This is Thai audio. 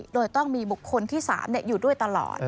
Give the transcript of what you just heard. โดยต้องมีบุคคลที่๓อยู่ด้วยตลอด